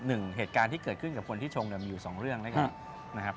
หนึ่งเหตุการณ์ที่เกิดขึ้นกับคนที่ชงมีอยู่๒เรื่องนะครับ